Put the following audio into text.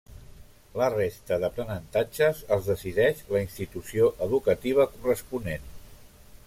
La resta d'aprenentatges els decideix la institució educativa corresponent.